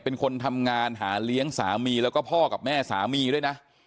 เป็นคนทำงานหาเลี้ยงสามีแล้วก็พ่อกับแม่สามีด้วยนะ